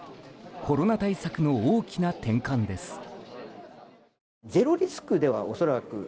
コロナ対策の大きな転換です。